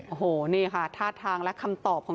โอ้โหนี่ค่ะท่าทางและคำตอบของ